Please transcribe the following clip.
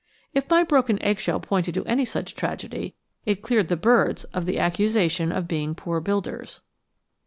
If my broken eggshell pointed to any such tragedy, it cleared the birds of the accusation of being poor builders.